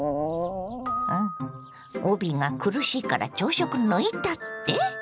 帯が苦しいから朝食抜いたって？